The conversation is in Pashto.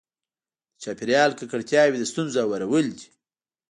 د چاپېریال ککړتیاوې د ستونزو هوارول دي.